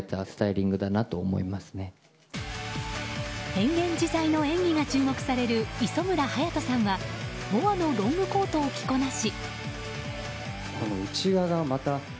変幻自在の演技が注目される磯村勇斗さんはボアのロングコートを着こなし。